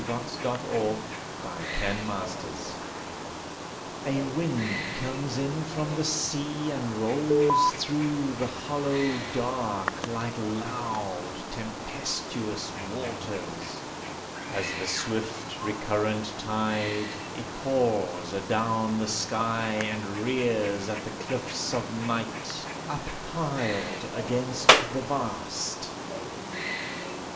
THE SOUL OF THE SEA A wind comes in from the sea, And rolls through the hollow dark Like loud, tempestuous waters. As the swift recurrent tide, It pours adown the sky, And rears at the cliffs of night Uppiled against the vast.